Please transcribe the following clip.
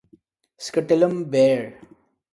Scutellum bare.